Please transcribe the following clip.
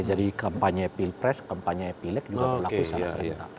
jadi kampanye pilpres kampanye pilek juga terlaku secara serentak